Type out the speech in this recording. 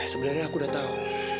sebenarnya aku udah tahu